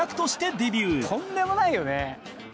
とんでもないよね！